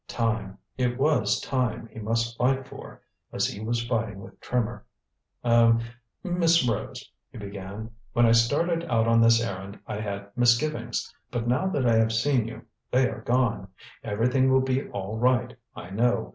Time it was time he must fight for, as he was fighting with Trimmer. "Er Miss Rose," he began, "when I started out on this errand I had misgivings. But now that I have seen you, they are gone. Everything will be all right, I know.